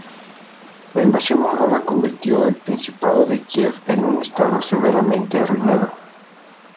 La invasión mongola convirtió el Principado de Kiev en un estado severamente arruinado.